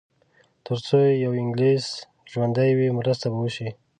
تر څو یو انګلیس ژوندی وي مرسته به وشي.